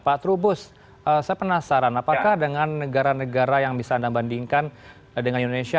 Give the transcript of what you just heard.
pak trubus saya penasaran apakah dengan negara negara yang bisa anda bandingkan dengan indonesia